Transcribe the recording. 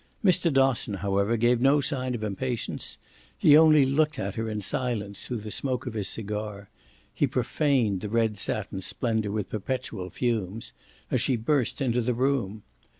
Mr. Dosson however gave no sign of impatience; he only looked at her in silence through the smoke of his cigar he profaned the red satin splendour with perpetual fumes as she burst into the room.